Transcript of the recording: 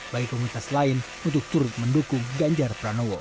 bagi komunitas lain untuk turut mendukung ganjar pranowo